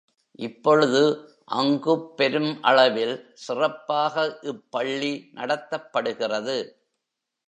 இப்பொழுது அங்குப் பெரும் அளவில் சிறப்பாக இப் பள்ளி நடத்தப்படுகிறது.